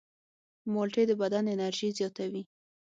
مالټې د بدن انرژي زیاتوي.